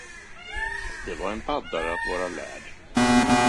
Det var en baddare att vara lärd.